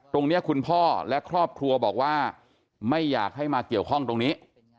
คุณพ่อและครอบครัวบอกว่าไม่อยากให้มาเกี่ยวข้องตรงนี้